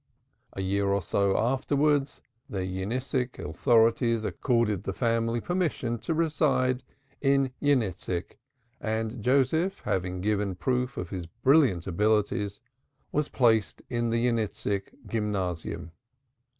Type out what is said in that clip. A year or so afterwards the Yeniseisk authorities accorded the family permission to reside in Yeniseisk, and Joseph, having given proof of brilliant abilities, was placed in the Yeniseisk gymnasium.